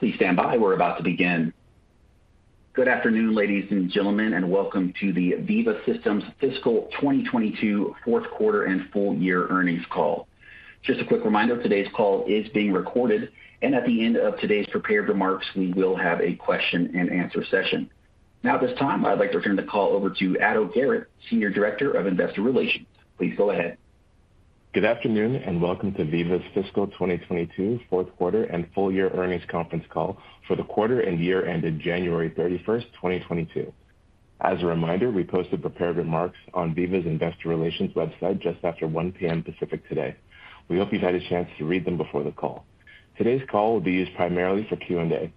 Please stand by. We're about to begin. Good afternoon, ladies and gentlemen, and welcome to the Veeva Systems Fiscal 2022 fourth quarter and full year earnings call. Just a quick reminder, today's call is being recorded and at the end of today's prepared remarks, we will have a question and answer session. Now at this time, I'd like to turn the call over to Ato Garrett, Senior Director of Investor Relations. Please go ahead. Good afternoon, and welcome to Veeva's Fiscal 2022 fourth quarter and full year earnings conference call for the quarter and year ended January 31, 2022. As a reminder, we posted prepared remarks on Veeva's Investor Relations website just after 1 P.M. Pacific today. We hope you've had a chance to read them before the call. Today's call will be used primarily for Q&A.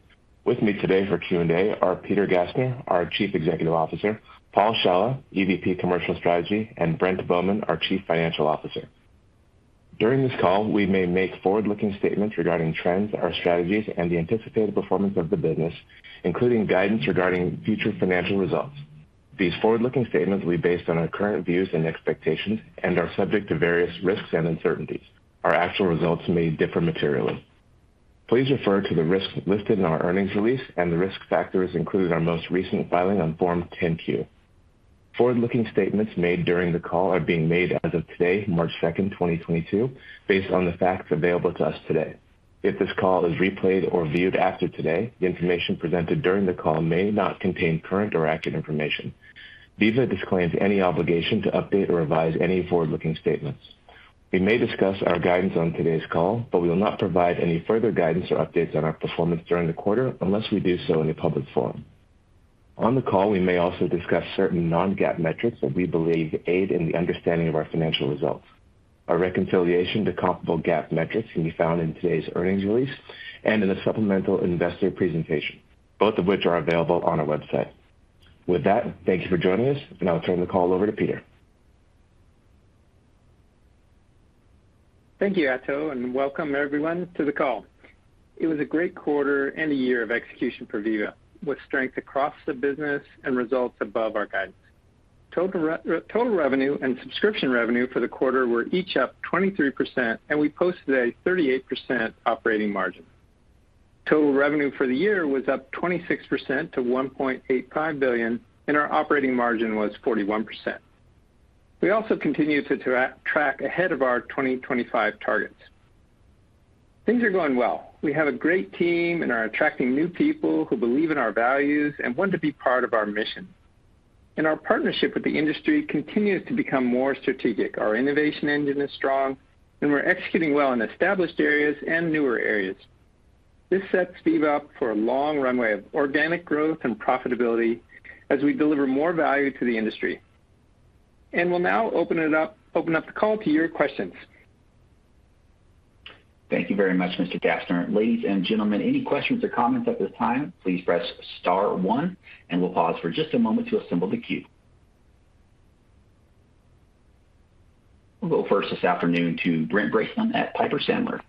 With me today for Q&A are Peter Gassner, our Chief Executive Officer, Paul Shawah, EVP Commercial Strategy, and Brent Bowman, our Chief Financial Officer. During this call, we may make forward-looking statements regarding trends, our strategies, and the anticipated performance of the business, including guidance regarding future financial results. These forward-looking statements will be based on our current views and expectations and are subject to various risks and uncertainties. Our actual results may differ materially. Please refer to the risks listed in our earnings release and the risk factors included in our most recent filing on Form 10-Q. Forward-looking statements made during the call are being made as of today, March 2, 2022, based on the facts available to us today. If this call is replayed or viewed after today, the information presented during the call may not contain current or accurate information. Veeva disclaims any obligation to update or revise any forward-looking statements. We may discuss our guidance on today's call, but we will not provide any further guidance or updates on our performance during the quarter unless we do so in a public forum. On the call, we may also discuss certain non-GAAP metrics that we believe aid in the understanding of our financial results. Our reconciliation to comparable GAAP metrics can be found in today's earnings release and in the supplemental investor presentation, both of which are available on our website. With that, thank you for joining us, and I'll turn the call over to Peter. Thank you, Ato, and welcome everyone to the call. It was a great quarter and a year of execution for Veeva, with strength across the business and results above our guidance. Total revenue and subscription revenue for the quarter were each up 23%, and we posted a 38% operating margin. Total revenue for the year was up 26% to $1.85 billion, and our operating margin was 41%. We also continue to track ahead of our 2025 targets. Things are going well. We have a great team and are attracting new people who believe in our values and want to be part of our mission. Our partnership with the industry continues to become more strategic. Our innovation engine is strong and we're executing well in established areas and newer areas. This sets Veeva up for a long runway of organic growth and profitability as we deliver more value to the industry. We'll now open up the call to your questions. Thank you very much, Mr. Gassner. Ladies and gentlemen, any questions or comments at this time, please press star one, and we'll pause for just a moment to assemble the queue. We'll go first this afternoon to Brent Bracelin at Piper Sandler.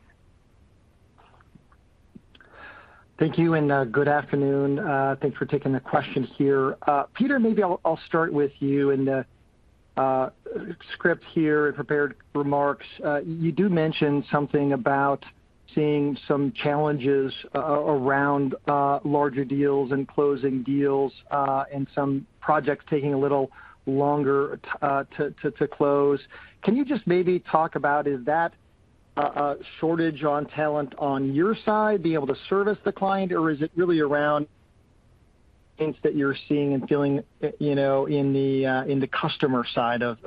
Thank you and good afternoon. Thanks for taking the question here. Peter, maybe I'll start with you in the script here in prepared remarks. You do mention something about seeing some challenges around larger deals and closing deals, and some projects taking a little longer to close. Can you just maybe talk about is that a shortage on talent on your side, being able to service the client, or is it really around things that you're seeing and feeling, you know, in the customer side of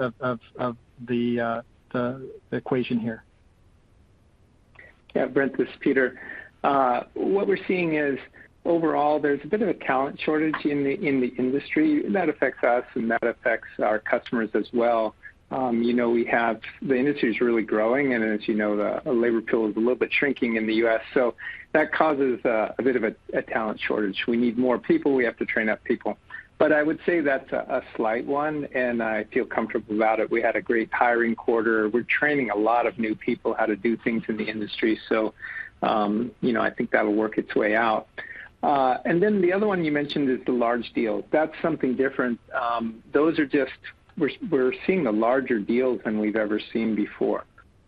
the equation here? Yeah, Brent, this is Peter. What we're seeing is overall there's a bit of a talent shortage in the industry, and that affects us and that affects our customers as well. You know, the industry is really growing, and as you know, the labor pool is a little bit shrinking in the U.S., so that causes a bit of a talent shortage. We need more people, we have to train up people. I would say that's a slight one, and I feel comfortable about it. We had a great hiring quarter. We're training a lot of new people how to do things in the industry. You know, I think that'll work its way out. The other one you mentioned is the large deals. That's something different. We're seeing the larger deals than we've ever seen before.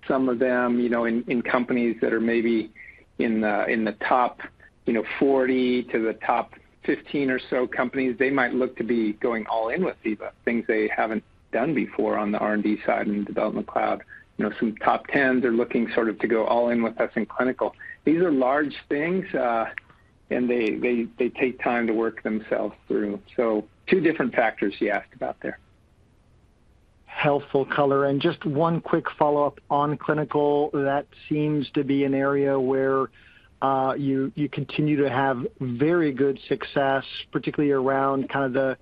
Some of them, you know, in companies that are maybe in the top 40 to the top 15 or so companies, they might look to be going all in with Veeva, things they haven't done before on the R&D side and development cloud. You know, some top tens are looking sort of to go all in with us in clinical. These are large things, and they take time to work themselves through. Two different factors you asked about there. Helpful color. Just one quick follow-up on clinical, that seems to be an area where you continue to have very good success, particularly around kind of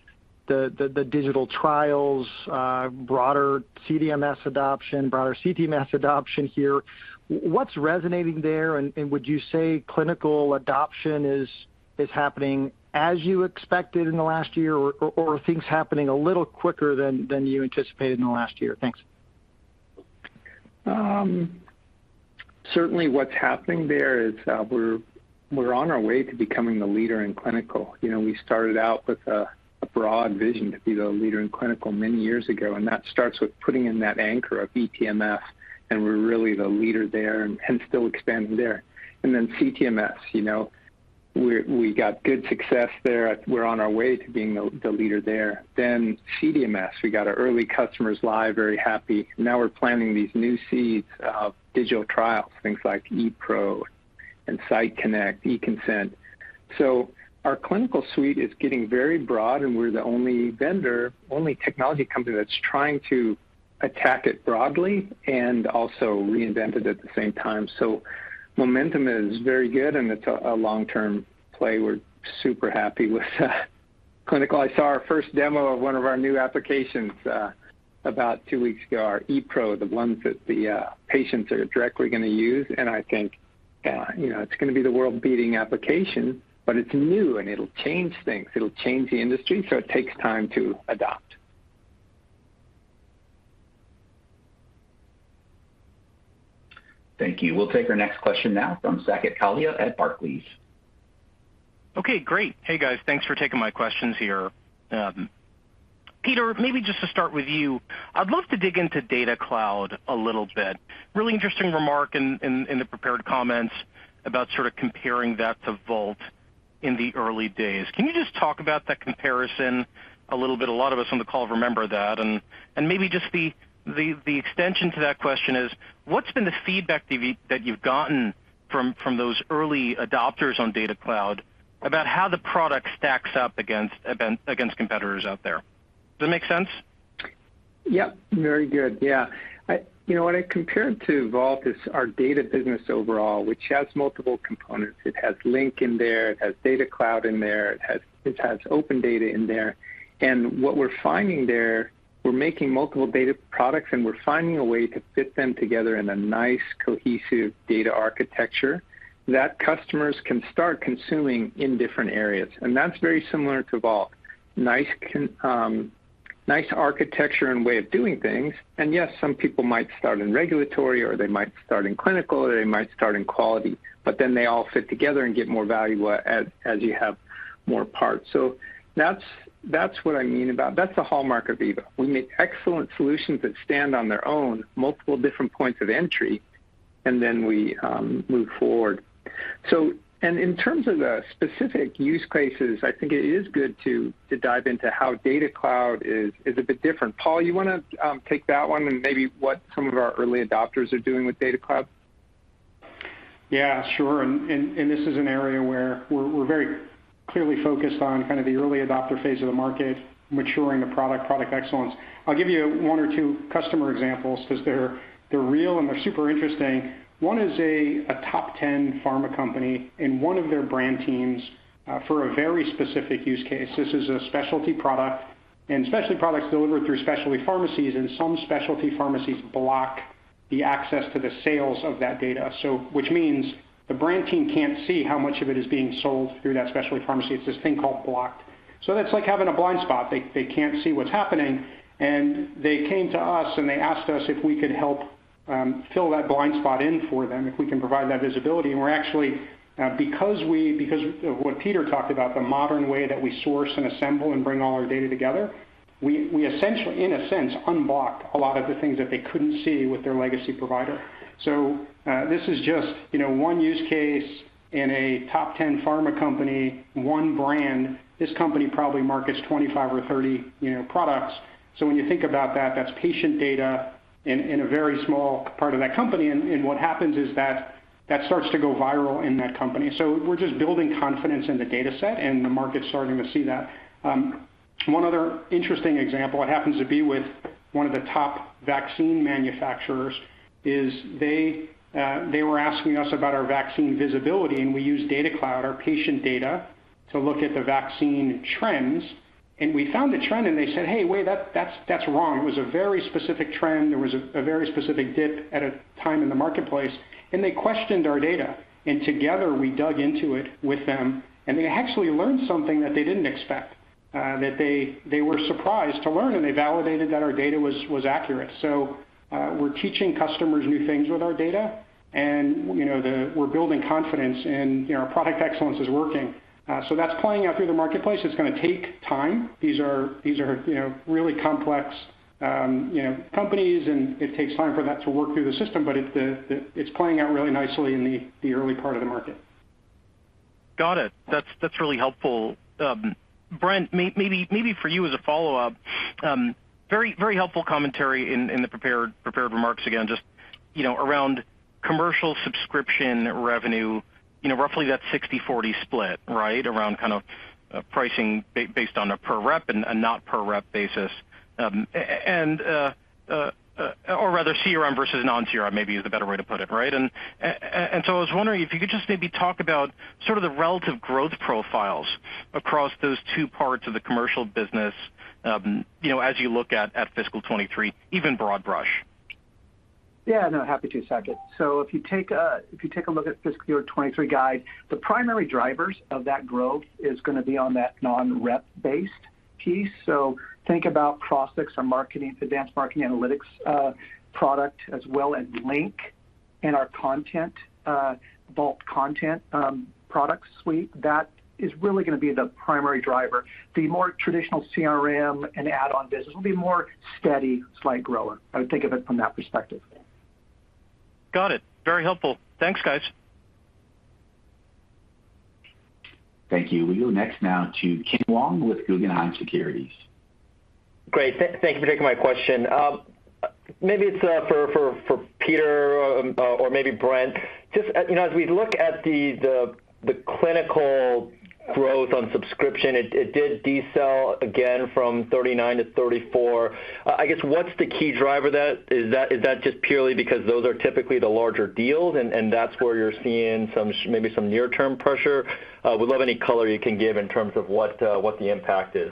the digital trials, broader CDMS adoption, broader CTMS adoption here. What's resonating there? Would you say clinical adoption is happening as you expected in the last year or are things happening a little quicker than you anticipated in the last year? Thanks. Certainly what's happening there is, we're on our way to becoming the leader in clinical. You know, we started out with a broad vision to be the leader in clinical many years ago, and that starts with putting in that anchor of eTMF, and we're really the leader there and still expanding there. Then CTMS, you know, we got good success there. We're on our way to being the leader there. Then CDMS, we got our early customers live, very happy. Now we're planting these new seeds of digital trials, things like ePRO and SiteConnect, eConsent. So our clinical suite is getting very broad, and we're the only vendor, only technology company that's trying to attack it broadly and also reinvent it at the same time. So momentum is very good, and it's a long-term play. We're super happy with clinical. I saw our first demo of one of our new applications, about two weeks ago, our ePRO, the ones that the patients are directly gonna use. I think, you know, it's gonna be the world-beating application, but it's new and it'll change things. It'll change the industry, so it takes time to adopt. Thank you. We'll take our next question now from Saket Kalia at Barclays. Okay, great. Hey, guys. Thanks for taking my questions here. Peter, maybe just to start with you, I'd love to dig into Data Cloud a little bit. Really interesting remark in the prepared comments about sort of comparing that to Vault in the early days. Can you just talk about that comparison a little bit? A lot of us on the call remember that. Maybe just the extension to that question is, what's been the feedback that you've gotten from those early adopters on Data Cloud about how the product stacks up against competitors out there? Does that make sense? Yep, very good. Yeah. You know, what I compared to Vault is our data business overall, which has multiple components. It has Link in there, it has Data Cloud in there, it has OpenData in there. What we're finding there, we're making multiple data products, and we're finding a way to fit them together in a nice, cohesive data architecture that customers can start consuming in different areas. That's very similar to Vault. Nice architecture and way of doing things. Yes, some people might start in regulatory, or they might start in clinical, or they might start in quality, but then they all fit together and get more value as you have more parts. That's what I mean about. That's the hallmark of Veeva. We make excellent solutions that stand on their own, multiple different points of entry, and then we move forward. In terms of the specific use cases, I think it is good to dive into how Data Cloud is a bit different. Paul, you wanna take that one and maybe what some of our early adopters are doing with Data Cloud? Yeah, sure. This is an area where we're very clearly focused on kind of the early adopter phase of the market, maturing the product excellence. I'll give you one or two customer examples 'cause they're real, and they're super interesting. One is a top ten pharma company, and one of their brand teams, for a very specific use case, this is a specialty product, and specialty products delivered through specialty pharmacies, and some specialty pharmacies block the access to the sales of that data. So which means the brand team can't see how much of it is being sold through that specialty pharmacy. It's this thing called blocked. So that's like having a blind spot. They can't see what's happening. They came to us, and they asked us if we could help fill that blind spot in for them, if we can provide that visibility. We're actually, because of what Peter talked about, the modern way that we source and assemble and bring all our data together, we essentially, in a sense, unblock a lot of the things that they couldn't see with their legacy provider. This is just, you know, one use case in a top ten pharma company, one brand. This company probably markets 25 or 30, you know, products. When you think about that's patient data in a very small part of that company. What happens is that starts to go viral in that company. We're just building confidence in the dataset, and the market's starting to see that. One other interesting example, it happens to be with one of the top vaccine manufacturers, is they were asking us about our vaccine visibility, and we used Data Cloud, our patient data, to look at the vaccine trends. We found a trend, and they said, "Hey, wait, that's wrong." It was a very specific trend. There was a very specific dip at a time in the marketplace, and they questioned our data. Together, we dug into it with them, and they actually learned something that they didn't expect, that they were surprised to learn, and they validated that our data was accurate. We're teaching customers new things with our data, and, you know, we're building confidence, and, you know, our product excellence is working. That's playing out through the marketplace. It's gonna take time. These are, you know, really complex companies, and it takes time for that to work through the system, but it's playing out really nicely in the early part of the market. Got it. That's really helpful. Brent, maybe for you as a follow-up, very helpful commentary in the prepared remarks, again, just, you know, around commercial subscription revenue, you know, roughly that 60/40 split, right? Around kind of pricing based on a per rep and a non per rep basis. Or rather CRM versus non-CRM maybe is a better way to put it, right? I was wondering if you could just maybe talk about sort of the relative growth profiles across those two parts of the commercial business, you know, as you look at fiscal 2023, even broad brush. Yeah, no, happy to, Saket. If you take a look at FY 2023 guide, the primary drivers of that growth is gonna be on that non-rep-based piece. Think about prospects or marketing, advanced marketing analytics, product, as well as Link and our content, vault content, product suite. That is really going to be the primary driver. The more traditional CRM and add-on business will be more steady, slight grower. I would think of it from that perspective. Got it. Very helpful. Thanks, guys. Thank you. We go next now to Ken Wong with Guggenheim Securities. Great. Thank you for taking my question. Maybe it's for Peter or maybe Brent. Just, you know, as we look at the clinical growth on subscription, it did decel again from 39%-34%. I guess what's the key driver there? Is that just purely because those are typically the larger deals and that's where you're seeing some maybe some near-term pressure? Would love any color you can give in terms of what the impact is.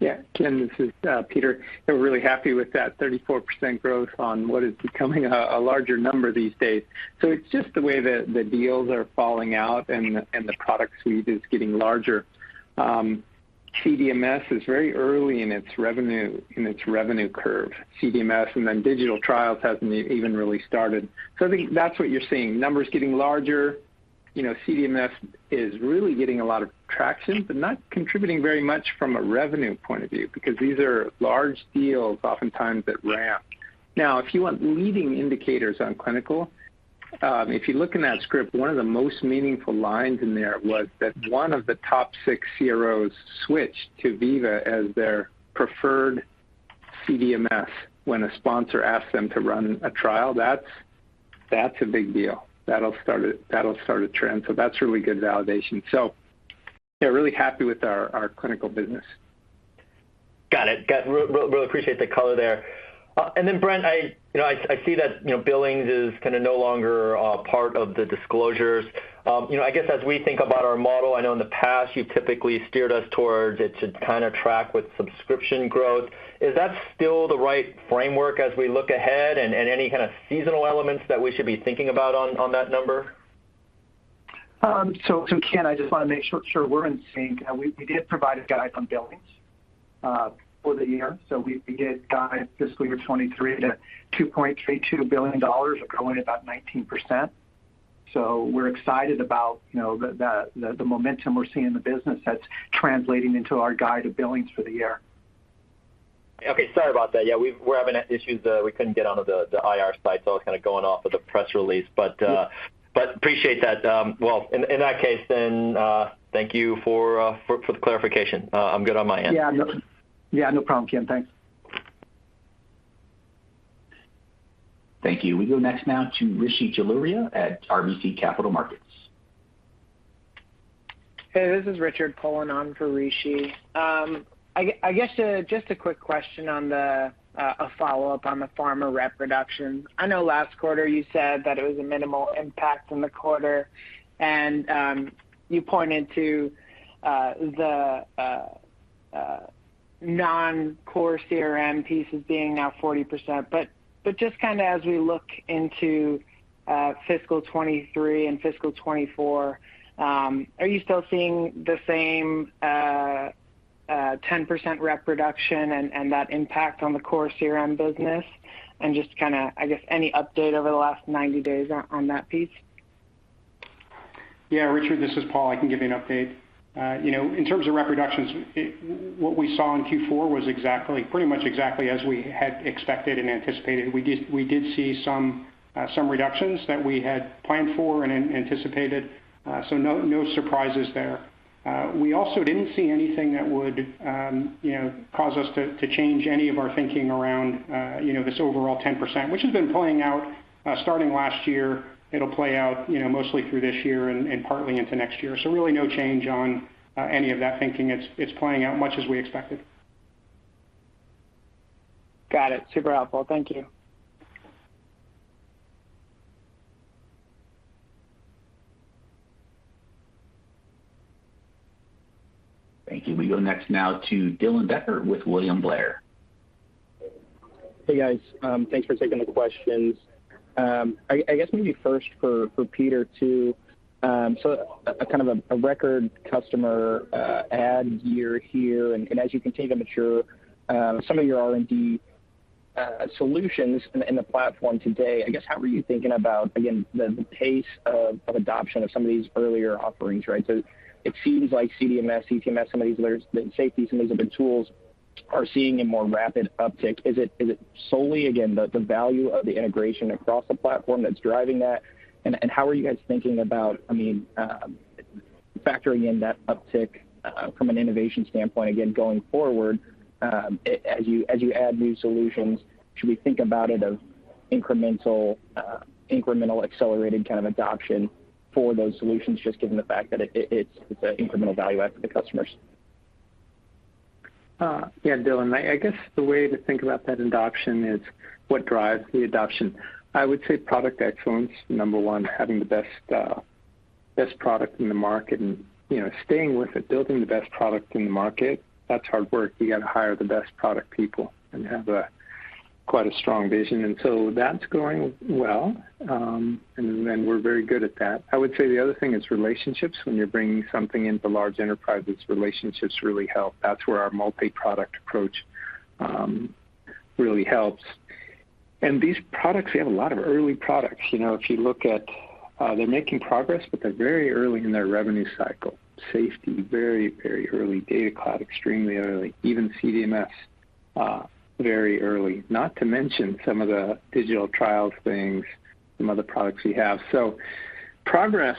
Yeah. Ken, this is Peter. We're really happy with that 34% growth on what is becoming a larger number these days. It's just the way the deals are falling out and the product suite is getting larger. CDMS is very early in its revenue curve. CDMS and then digital trials hasn't really started. I think that's what you're seeing, numbers getting larger. You know, CDMS is really getting a lot of traction, but not contributing very much from a revenue point of view, because these are large deals oftentimes at ramp. Now, if you want leading indicators on clinical, if you look in that script, one of the most meaningful lines in there was that one of the top six CROs switched to Veeva as their preferred CDMS when a sponsor asks them to run a trial. That's a big deal. That'll start a trend. That's really good validation. Yeah, really happy with our clinical business. Got it. Really appreciate the color there. Brent, I see that, you know, billings is kind of no longer part of the disclosures. You know, I guess as we think about our model, I know in the past you've typically steered us towards it should kind of track with subscription growth. Is that still the right framework as we look ahead and any kind of seasonal elements that we should be thinking about on that number? Ken, I just wanna make sure we're in sync. We did provide a guide on billings for the year. We did guide fiscal year 2023 to $2.32 billion, growing about 19%. We're excited about, you know, the momentum we're seeing in the business that's translating into our guide of billings for the year. Okay. Sorry about that. Yeah, we're having issues. We couldn't get onto the IR site, so I was kind of going off of the press release. Appreciate that. Well, in that case then, thank you for the clarification. I'm good on my end. Yeah, no problem, Ken. Thanks. Thank you. We go next now to Rishi Jaluria at RBC Capital Markets. Hey, this is Richard calling in for Rishi. I guess just a quick question on a follow-up on the pharma rep reduction. I know last quarter you said that it was a minimal impact on the quarter, and you pointed to the non-core CRM pieces being now 40%. But just kinda as we look into fiscal 2023 and fiscal 2024, are you still seeing the same 10% rep reduction and that impact on the core CRM business? And just kinda, I guess, any update over the last 90 days on that piece. Yeah, Richard, this is Paul Shawah. I can give you an update. You know, in terms of rep reductions, what we saw in Q4 was pretty much exactly as we had expected and anticipated. We did see some reductions that we had planned for and anticipated, so no surprises there. We also didn't see anything that would cause us to change any of our thinking around this overall 10%, which has been playing out starting last year. It'll play out mostly through this year and partly into next year. So really no change on any of that thinking. It's playing out much as we expected. Got it. Super helpful. Thank you. Thank you. We go next now to Dylan Becker with William Blair. Hey, guys. Thanks for taking the questions. I guess maybe first for Peter too. A kind of a record customer add year here. As you continue to mature some of your R&D solutions in the platform today, I guess how are you thinking about, again, the pace of adoption of some of these earlier offerings, right? It seems like CDMS, CTMS, some of these layers, the safety, some of those other tools are seeing a more rapid uptick. Is it solely again the value of the integration across the platform that's driving that? How are you guys thinking about, I mean, factoring in that uptick from an innovation standpoint, again, going forward, as you add new solutions, should we think about it of incremental accelerated kind of adoption for those solutions just given the fact that it it's an incremental value add for the customers? Yeah, Dylan. I guess the way to think about that adoption is what drives the adoption. I would say product excellence, number one, having the best product in the market and, you know, staying with it, building the best product in the market. That's hard work. You gotta hire the best product people and have quite a strong vision. That's going well, and then we're very good at that. I would say the other thing is relationships. When you're bringing something into large enterprises, relationships really help. That's where our multi-product approach really helps. These products, we have a lot of early products. You know, if you look at, they're making progress, but they're very early in their revenue cycle. Safety, very, very early. Data Cloud, extremely early. Even CDMS, very early. Not to mention some of the digital trials things, some other products we have. Progress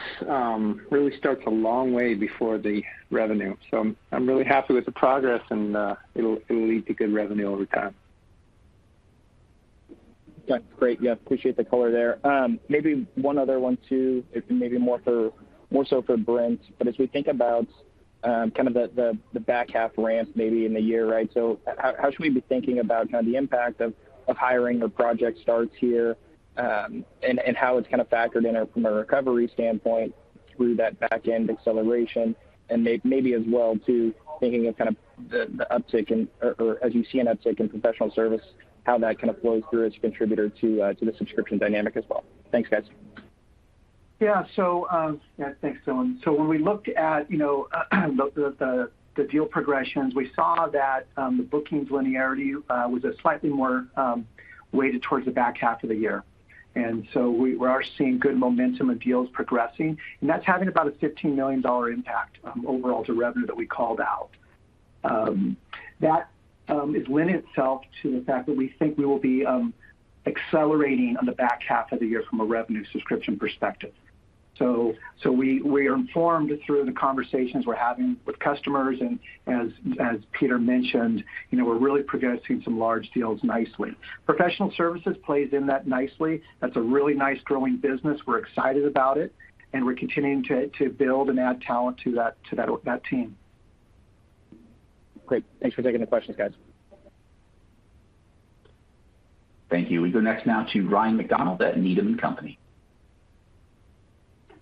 really starts a long way before the revenue. I'm really happy with the progress and it'll lead to good revenue over time. That's great. Yeah, appreciate the color there. Maybe one other one too, it may be more so for Brent. As we think about kind of the back half ramp maybe in the year, right? How should we be thinking about kind of the impact of hiring or project starts here, and how it's kind of factored in from a recovery standpoint through that back-end acceleration. Maybe as well too, or as you see an uptick in professional service, how that kind of flows through as a contributor to the subscription dynamic as well. Thanks, guys. Yeah. Thanks, Dylan. When we looked at, you know, the deal progressions, we saw that the bookings linearity was slightly more weighted towards the back half of the year. We are seeing good momentum of deals progressing, and that's having about a $15 million impact overall to revenue that we called out. That lends itself to the fact that we think we will be accelerating on the back half of the year from a revenue subscription perspective. We are informed through the conversations we're having with customers and as Peter mentioned, you know, we're really progressing some large deals nicely. Professional services plays in that nicely. That's a really nice growing business. We're excited about it, and we're continuing to build and add talent to that team. Great. Thanks for taking the questions, guys. Thank you. We go next now to Ryan MacDonald at Needham & Company.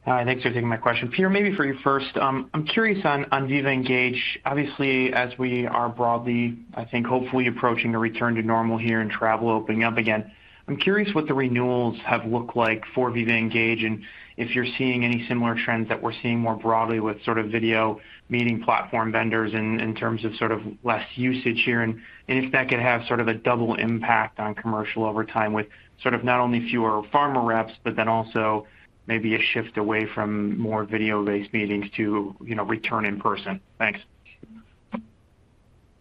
Hi. Thanks for taking my question. Peter, maybe for you first. I'm curious on Veeva Engage. Obviously, as we are broadly, I think, hopefully approaching a return to normal here and travel opening up again, I'm curious what the renewals have looked like for Veeva Engage and if you're seeing any similar trends that we're seeing more broadly with sort of video meeting platform vendors in terms of sort of less usage here, and if that could have sort of a double impact on commercial over time with sort of not only fewer pharma reps, but then also maybe a shift away from more video-based meetings to, you know, return in person. Thanks.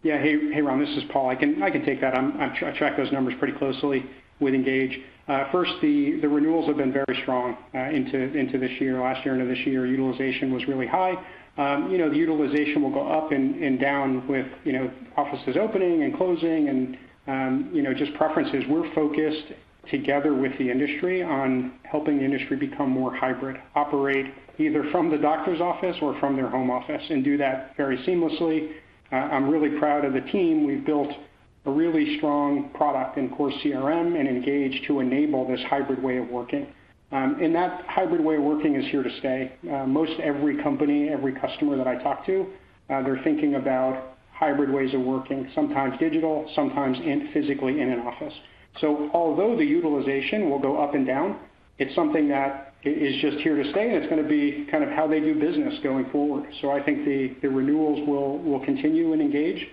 Hey, Ron, this is Paul. I can take that. I track those numbers pretty closely with Engage. First, the renewals have been very strong into this year. Last year into this year, utilization was really high. You know, the utilization will go up and down with you know, offices opening and closing and you know, just preferences. We're focused together with the industry on helping the industry become more hybrid, operate either from the doctor's office or from their home office and do that very seamlessly. I'm really proud of the team. We've built a really strong product in Core CRM and Engage to enable this hybrid way of working. That hybrid way of working is here to stay. Most every company, every customer that I talk to, they're thinking about hybrid ways of working, sometimes digital, sometimes physically in an office. Although the utilization will go up and down, it's something that is just here to stay, and it's going to be kind of how they do business going forward. I think the renewals will continue in Engage.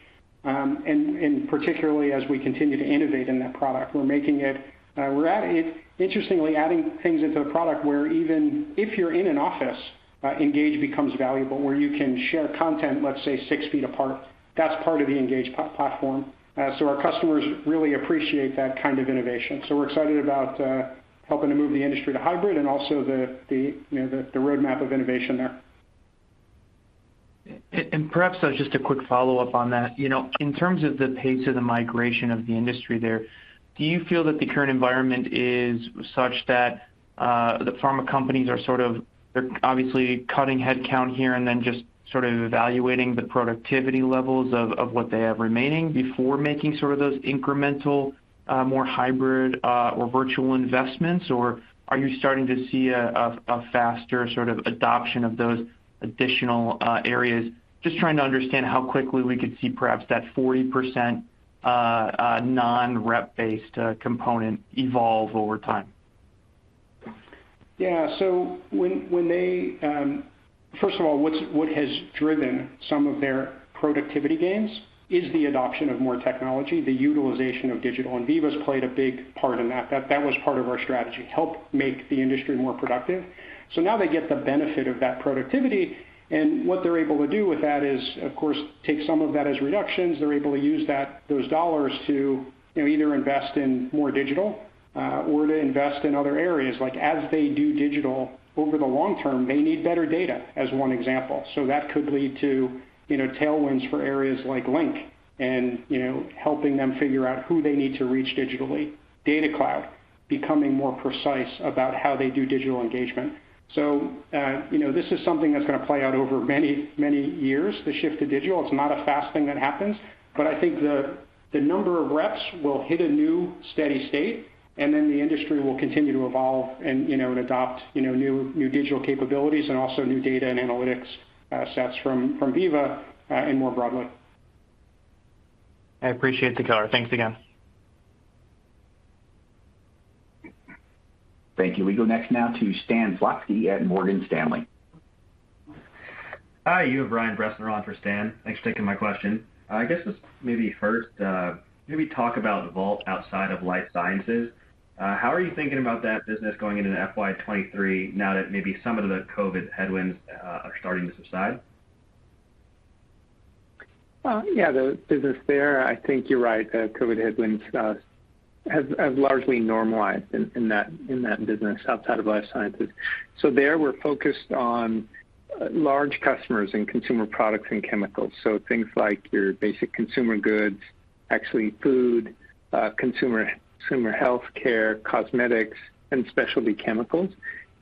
And particularly as we continue to innovate in that product. We're interestingly adding things into the product where even if you're in an office, Engage becomes valuable, where you can share content, let's say six feet apart. That's part of the Engage platform. Our customers really appreciate that kind of innovation. We're excited about helping to move the industry to hybrid and also the, you know, roadmap of innovation there. Perhaps just a quick follow-up on that. You know, in terms of the pace of the migration of the industry there, do you feel that the current environment is such that the pharma companies are sort of. They're obviously cutting headcount here and then just sort of evaluating the productivity levels of what they have remaining before making sort of those incremental more hybrid or virtual investments, or are you starting to see a faster sort of adoption of those additional areas? Just trying to understand how quickly we could see perhaps that 40% non-rep-based component evolve over time. Yeah. First of all, what has driven some of their productivity gains is the adoption of more technology, the utilization of digital, and Veeva's played a big part in that. That was part of our strategy, help make the industry more productive. Now they get the benefit of that productivity and what they're able to do with that is, of course, take some of that as reductions. They're able to use those dollars to, you know, either invest in more digital, or to invest in other areas. Like, as they do digital over the long term, they need better data as one example. That could lead to, you know, tailwinds for areas like Link and, you know, helping them figure out who they need to reach digitally. Data cloud, becoming more precise about how they do digital engagement. You know, this is something that's gonna play out over many, many years, the shift to digital. It's not a fast thing that happens. I think the number of reps will hit a new steady state, and then the industry will continue to evolve and, you know, adopt new digital capabilities and also new data and analytics sets from Veeva and more broadly. I appreciate the color. Thanks again. Thank you. We go next now to Stan Berenshteyn at Morgan Stanley. Hi, you have Brian Bresnahan for Stan. Thanks for taking my question. I guess just maybe first, maybe talk about Vault outside of life sciences. How are you thinking about that business going into FY 2023 now that maybe some of the COVID headwinds are starting to subside? Yeah, the business there, I think you're right. The COVID headwinds has largely normalized in that business outside of life sciences. There we're focused on large customers in consumer products and chemicals. Things like your basic consumer goods, actually food, consumer health care, cosmetics, and specialty chemicals.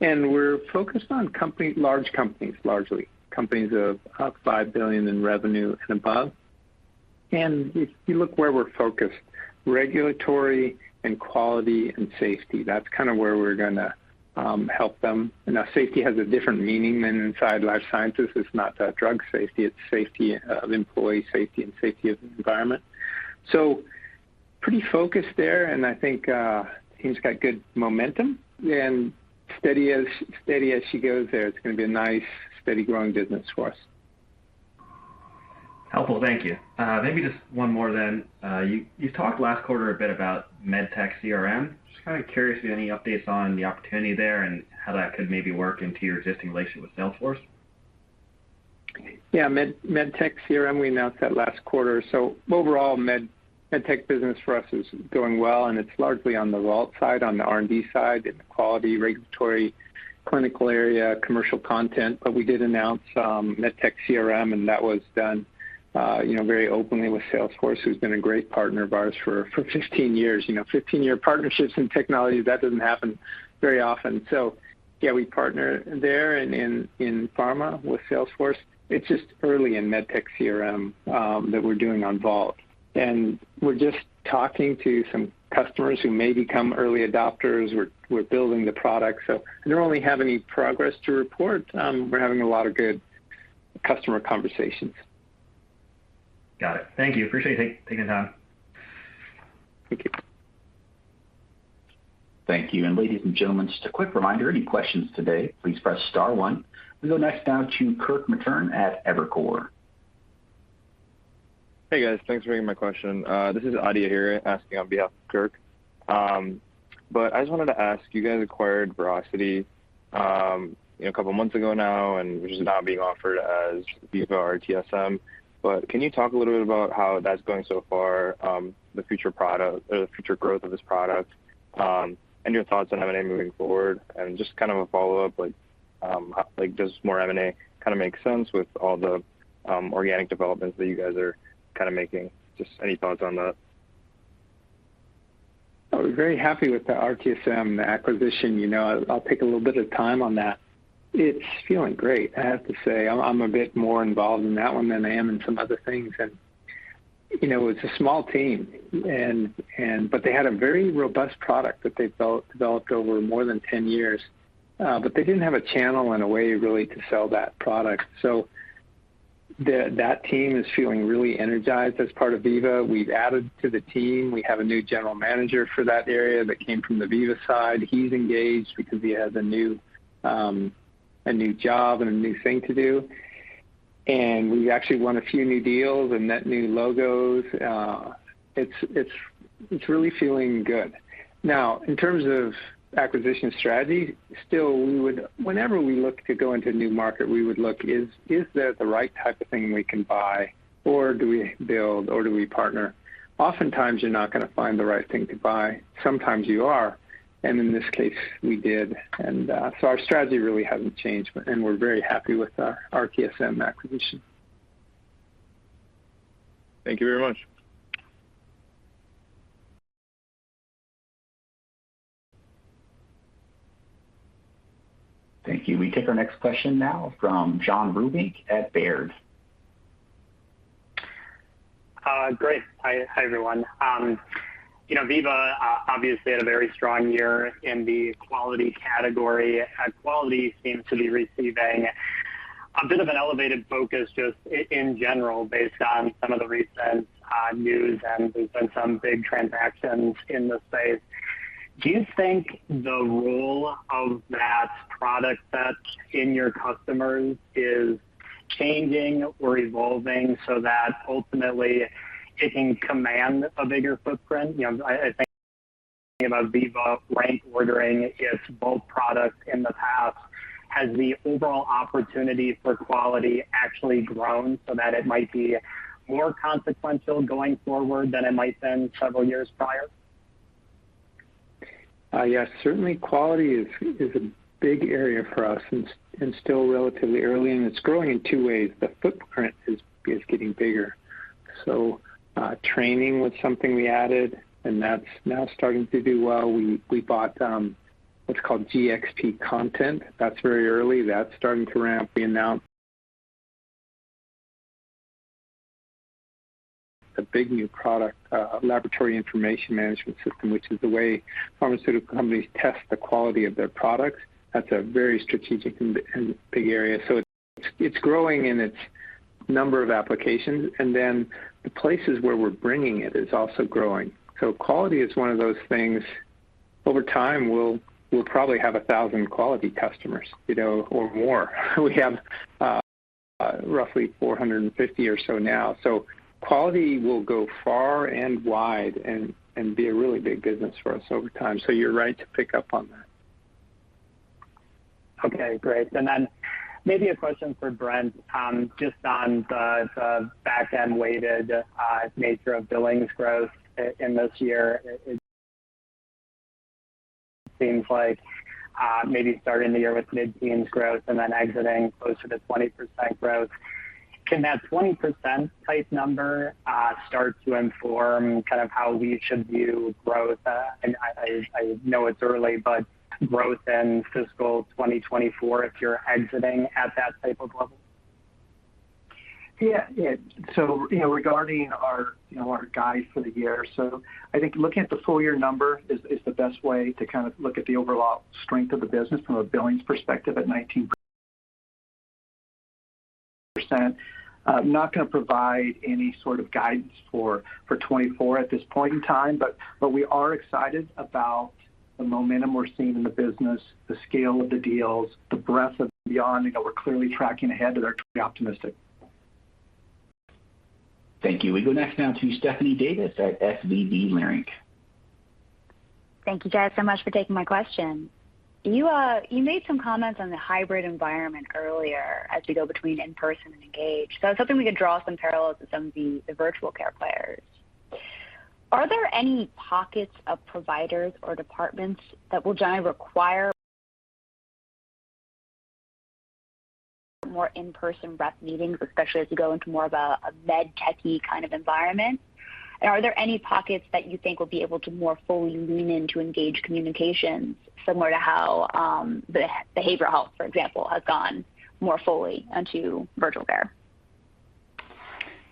We're focused on large companies, largely. Companies of up $5 billion in revenue and above. If you look where we're focused, regulatory and quality and safety, that's kinda where we're gonna help them. Safety has a different meaning than inside life sciences. It's not drug safety, it's safety of employee safety and safety of the environment. Pretty focused there, and I think team's got good momentum and steady as she goes there. It's gonna be a nice, steady growing business for us. Helpful. Thank you. Maybe just one more then. You talked last quarter a bit about MedTech CRM. Just kind of curious if any updates on the opportunity there and how that could maybe work into your existing relationship with Salesforce? Yeah. MedTech CRM, we announced that last quarter. Overall, MedTech business for us is going well and it's largely on the Vault side, on the R&D side, in the quality regulatory clinical area, commercial content. We did announce MedTech CRM, you know, very openly with Salesforce, who's been a great partner of ours for 15 years. You know, 15-year partnerships in technology, that doesn't happen very often. Yeah, we partner there in pharma with Salesforce. It's just early in MedTech CRM that we're doing on Vault. We're just talking to some customers who may become early adopters. We're building the product. I don't really have any progress to report. We're having a lot of good customer conversations. Got it. Thank you. I appreciate you taking the time. Thank you. Thank you. Ladies and gentlemen, just a quick reminder, any questions today, please press star one. We go next now to Kirk Materne at Evercore. Hey, guys. Thanks for taking my question. This is Adia here asking on behalf of Kirk. I just wanted to ask, you guys acquired Veracity Logic a couple of months ago now, and which is now being offered as Veeva RTSM. Can you talk a little bit about how that's going so far, the future product or the future growth of this product, and your thoughts on M&A moving forward? Just kind of a follow-up, like does more M&A kinda make sense with all the organic developments that you guys are kinda making? Just any thoughts on that. I was very happy with the RTSM acquisition. You know, I'll take a little bit of time on that. It's feeling great, I have to say. I'm a bit more involved in that one than I am in some other things. You know, it's a small team and but they had a very robust product that they've developed over more than 10 years. But they didn't have a channel and a way really to sell that product. So that team is feeling really energized as part of Veeva. We've added to the team. We have a new general manager for that area that came from the Veeva side. He's engaged because he has a new, a new job and a new thing to do. We actually won a few new deals and met new logos. It's really feeling good. Now, in terms of acquisition strategy, whenever we look to go into a new market, is that the right type of thing we can buy or do we build or do we partner? Oftentimes, you're not gonna find the right thing to buy. Sometimes you are. Our strategy really hasn't changed, but and we're very happy with our RTSM acquisition. Thank you very much. Thank you. We take our next question now from Joe Vruwink at Baird. Great. Hi, everyone. You know, Veeva obviously had a very strong year in the quality category. Quality seems to be receiving a bit of an elevated focus just in general based on some of the recent news, and there's been some big transactions in the space. Do you think the role of that product set in your customers is changing or evolving so that ultimately it can command a bigger footprint? You know, I think of Veeva rank ordering its Vault product in the past. Has the overall opportunity for quality actually grown so that it might be more consequential going forward than it might been several years prior? Yes. Certainly, quality is a big area for us and still relatively early, and it's growing in two ways. The footprint is getting bigger. Training was something we added, and that's now starting to do well. We bought what's called GXP content. That's very early. That's starting to ramp. We announced a big new product, Laboratory Information Management System, which is the way pharmaceutical companies test the quality of their products. That's a very strategic and big area. So it's growing in its number of applications, and then the places where we're bringing it is also growing. So quality is one of those things. Over time, we'll probably have 1,000 quality customers, you know, or more. We have roughly 450 or so now. Quality will go far and wide and be a really big business for us over time. You're right to pick up on that. Okay, great. Maybe a question for Brent, just on the back-end-weighted nature of billings growth in this year. It seems like maybe starting the year with mid-teens growth and then exiting closer to 20% growth. Can that 20% type number start to inform kind of how we should view growth? I know it's early, but growth in fiscal 2024, if you're exiting at that type of level. Yeah. You know, regarding our, you know, our guide for the year. I think looking at the full year number is the best way to kind of look at the overall strength of the business from a billings perspective at 19%. I'm not going to provide any sort of guidance for 2024 at this point in time, but we are excited about the momentum we're seeing in the business, the scale of the deals, the breadth of the offering that we're clearly tracking ahead of our optimistic. Thank you. We go next now to Stephanie Davis at SVB Leerink. Thank you guys so much for taking my question. You made some comments on the hybrid environment earlier as we go between in-person and engaged. It's something we could draw some parallels with some of the virtual care players. Are there any pockets of providers or departments that will generally require more in-person rep meetings, especially as we go into more of a med techie kind of environment? And are there any pockets that you think will be able to more fully lean into engage communications similar to how the behavioral health, for example, has gone more fully onto virtual care?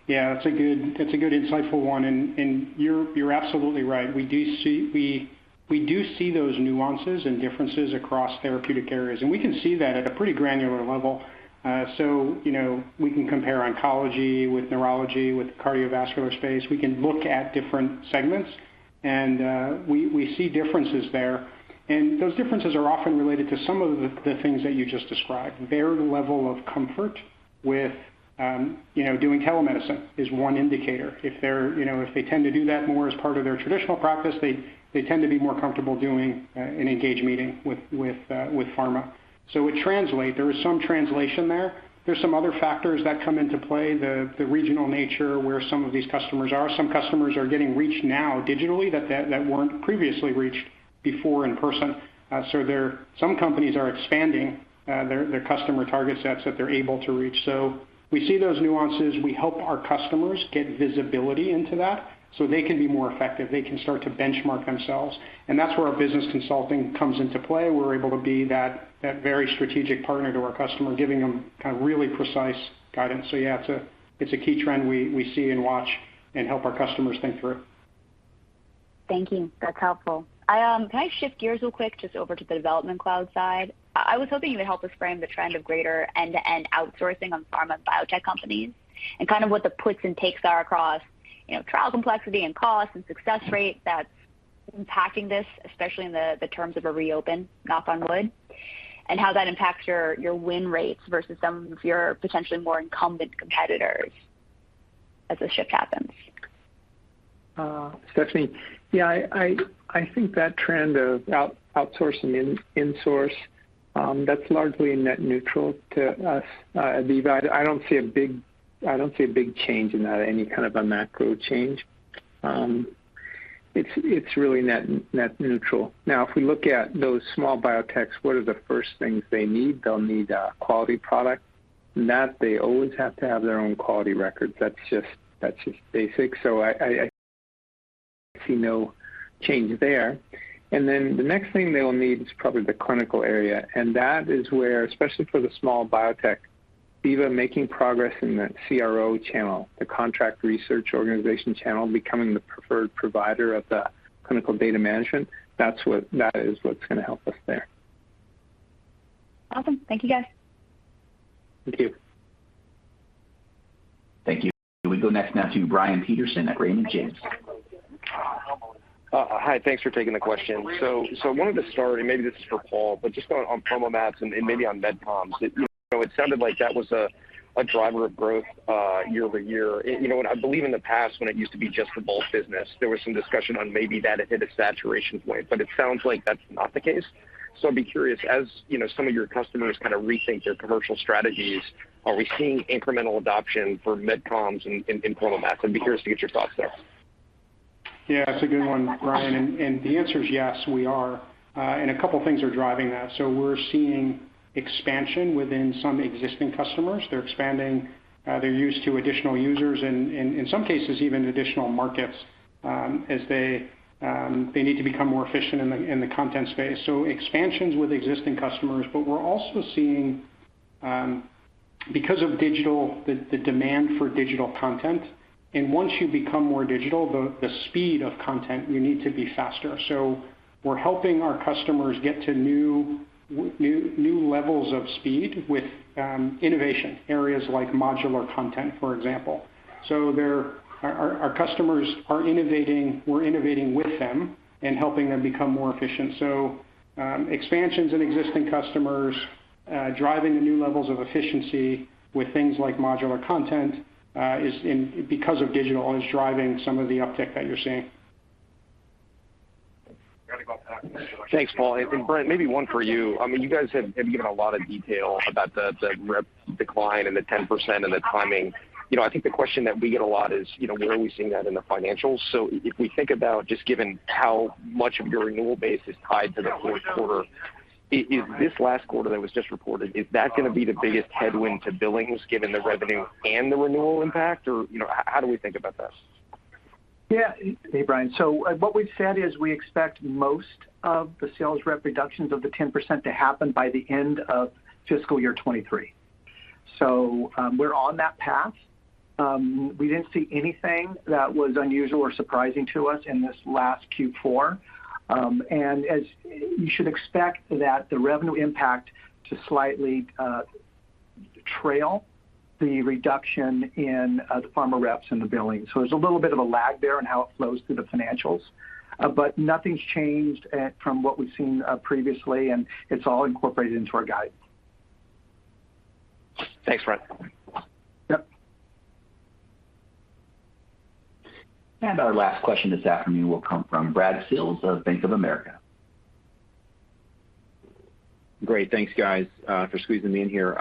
Yeah, that's a good insightful one. You're absolutely right. We do see those nuances and differences across therapeutic areas, and we can see that at a pretty granular level. You know, we can compare oncology with neurology, with cardiovascular space. We can look at different segments, and we see differences there. Those differences are often related to some of the things that you just described. Their level of comfort with, you know, doing telemedicine is one indicator. If they're, you know, if they tend to do that more as part of their traditional practice, they tend to be more comfortable doing an Engage meeting with pharma. It translates. There is some translation there. There's some other factors that come into play. The regional nature where some of these customers are. Some customers are getting reached now digitally that weren't previously reached before in person. Some companies are expanding their customer target sets that they're able to reach. We see those nuances. We help our customers get visibility into that so they can be more effective. They can start to benchmark themselves. That's where our business consulting comes into play. We're able to be that very strategic partner to our customer, giving them kind of really precise guidance. Yeah, it's a key trend we see and watch and help our customers think through. Thank you. That's helpful. Can I shift gears real quick just over to the Development Cloud side? I was hoping you would help us frame the trend of greater end-to-end outsourcing on pharma biotech companies and kind of what the puts and takes are across, you know, trial complexity and cost and success rate that's impacting this, especially in the terms of a reopening, knock on wood, and how that impacts your win rates versus some of your potentially more incumbent competitors as the shift happens. Stephanie. Yeah, I think that trend of outsourcing insource, that's largely net neutral to us. I believe I don't see a big change in that, any kind of a macro change. It's really net neutral. Now, if we look at those small biotechs, what are the first things they need? They'll need a quality product. In that they always have to have their own quality records. That's just basic. I see no change there. The next thing they will need is probably the clinical area. That is where, especially for the small biotech, Veeva making progress in that CRO channel, the contract research organization channel, becoming the preferred provider of the clinical data management, that's what, that is what's gonna help us there. Awesome. Thank you, guys. Thank you. Thank you. We go next now to Brian Peterson at Raymond James. Hi. Thanks for taking the question. I wanted to start, and maybe this is for Paul, but just on PromoMats and maybe on MedComms. You know, it sounded like that was a driver of growth year-over-year. You know, and I believe in the past when it used to be just the bulk business, there was some discussion on maybe that it hit a saturation point, but it sounds like that's not the case. I'd be curious, as you know, some of your customers kinda rethink their commercial strategies, are we seeing incremental adoption for MedComms in PromoMats? I'd be curious to get your thoughts there. Yeah, that's a good one, Brian. The answer is yes, we are. A couple things are driving that. We're seeing expansion within some existing customers. They're expanding their use to additional users and in some cases, even additional markets, as they need to become more efficient in the content space. Expansions with existing customers. We're also seeing, because of digital, the demand for digital content. Once you become more digital, the speed of content, you need to be faster. We're helping our customers get to new levels of speed with innovation, areas like modular content, for example. Our customers are innovating. We're innovating with them and helping them become more efficient. Expansions in existing customers. Driving the new levels of efficiency with things like modular content, because of digital, is driving some of the uptick that you're seeing. Thanks, Paul. Brent, maybe one for you. I mean, you guys have given a lot of detail about the rep decline and the 10% and the timing. You know, I think the question that we get a lot is, you know, where are we seeing that in the financials? If we think about just given how much of your renewal base is tied to the fourth quarter, is this last quarter that was just reported gonna be the biggest headwind to billings given the revenue and the renewal impact or, you know, how do we think about this? Yeah. Hey, Brian. What we've said is we expect most of the sales rep reductions of the 10% to happen by the end of fiscal year 2023. We're on that path. We didn't see anything that was unusual or surprising to us in this last Q4. As you should expect that the revenue impact to slightly trail the reduction in the pharma reps in the billing. There's a little bit of a lag there in how it flows through the financials. Nothing's changed from what we've seen previously, and it's all incorporated into our guidance. Thanks, Brent. Yep. Our last question this afternoon will come from Brad Sills of Bank of America. Great. Thanks, guys, for squeezing me in here.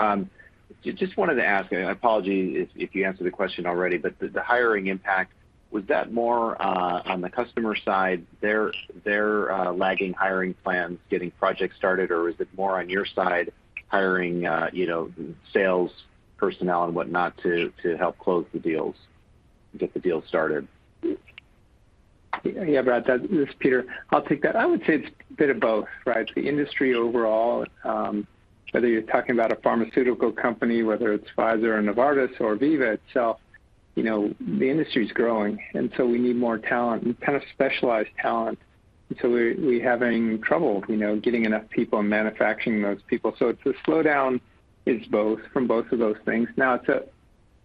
Just wanted to ask, and I apologize if you answered the question already, but the hiring impact, was that more on the customer side, their lagging hiring plans, getting projects started, or is it more on your side, hiring, you know, sales personnel and whatnot to help close the deals and get the deals started? Yeah, Brad. This is Peter. I'll take that. I would say it's a bit of both, Brad. The industry overall, whether you're talking about a pharmaceutical company, whether it's Pfizer or Novartis or Veeva itself, you know, the industry's growing, and so we need more talent, kind of specialized talent. So we're having trouble, you know, getting enough people and manufacturing those people. So it's a slowdown, it's both, from both of those things. In the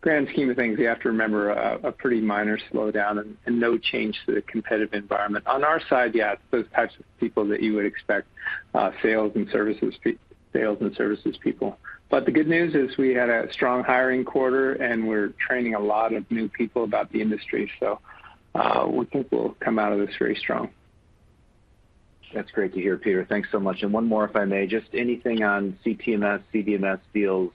grand scheme of things, you have to remember a pretty minor slowdown and no change to the competitive environment. On our side, yeah, those types of people that you would expect, sales and services people. But the good news is we had a strong hiring quarter, and we're training a lot of new people about the industry. We think we'll come out of this very strong. That's great to hear, Peter. Thanks so much. One more, if I may. Just anything on CTMS, CDMS deals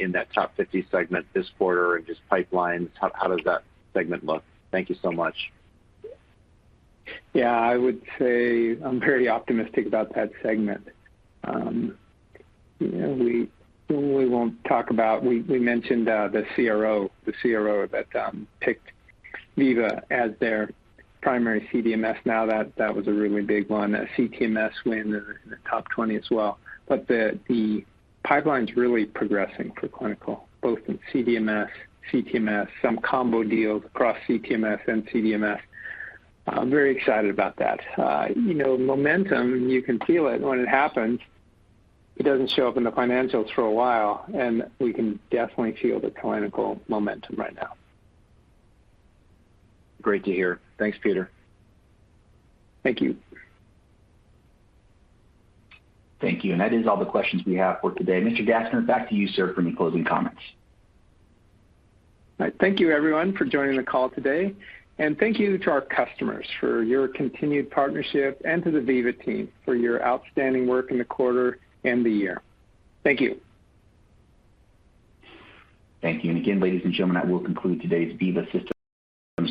in that top 50 segment this quarter and just pipelines? How does that segment look? Thank you so much. Yeah. I would say I'm very optimistic about that segment. You know, we mentioned the CRO that picked Veeva as their primary CDMS. Now that was a really big one. A CTMS win in the top 20 as well. The pipeline's really progressing for clinical, both in CDMS, CTMS, some combo deals across CTMS and CDMS. I'm very excited about that. You know, momentum, you can feel it when it happens. It doesn't show up in the financials for a while, and we can definitely feel the clinical momentum right now. Great to hear. Thanks, Peter. Thank you. Thank you. That is all the questions we have for today. Mr. Gassner, back to you, sir, for any closing comments. All right. Thank you everyone for joining the call today. Thank you to our customers for your continued partnership and to the Veeva team for your outstanding work in the quarter and the year. Thank you. Thank you. Again, ladies and gentlemen, that will conclude today's Veeva Systems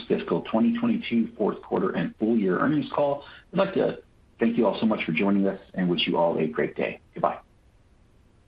fiscal 2022 fourth quarter and full year earnings call. I'd like to thank you all so much for joining us and wish you all a great day. Goodbye.